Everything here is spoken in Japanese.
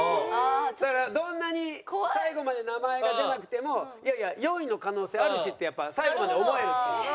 だからどんなに最後まで名前が出なくてもいやいや４位の可能性あるしって最後まで思えるっていう。